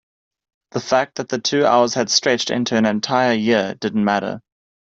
the fact that the two hours had stretched into an entire year didn't matter.